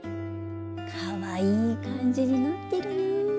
かわいい感じになってるな。